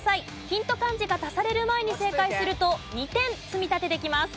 ヒント漢字が足される前に正解すると２点積み立てできます。